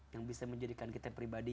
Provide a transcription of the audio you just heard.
yang bisa menjadikan kita pribadi